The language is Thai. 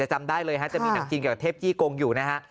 จำได้เลยฮะจะมีหนังจีนเกี่ยวกับเทพจี้กงอยู่นะฮะ